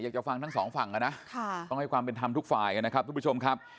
ฟังทั้งสองฝั่งนะต้องให้ความเป็นธรรมทุกฝ่ายนะครับทุกผู้ชมครับ